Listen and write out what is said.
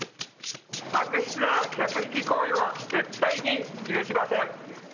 悪質な客引き行為は絶対に許しません。